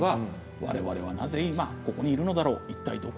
われわれはなぜ今ここにいるのだろう